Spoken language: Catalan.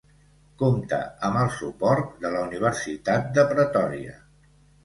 Compta amb el suport de la Universitat de Pretòria.